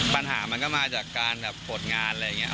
ปัญหามันก็มาจากการแบบผลงานอะไรอย่างนี้